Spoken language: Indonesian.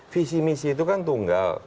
visi misi itu kan tunggal